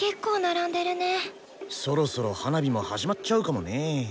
そろそろ花火も始まっちゃうかもね。